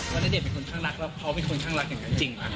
วันนี้เด็ดเป็นคนคลั่งรักแล้วเขาเป็นคนคลั่งรักอย่างนั้นจริงหรอ